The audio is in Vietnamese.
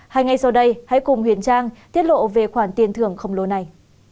hãy ngay sau đây hãy cùng huyền trang tiết lộ về khoản tiền thưởng không lô này